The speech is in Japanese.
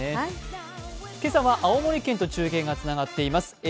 今朝は青森県と中継がつながっています。